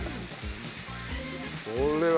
これは。